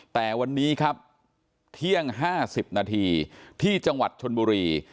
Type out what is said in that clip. แต่วันนี้ครับเที่ยง๕๐นาทีที่จังหวัดชนบุรี